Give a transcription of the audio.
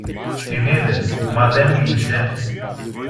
την είδε, μα δε μίλησε.